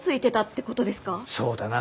そうだな。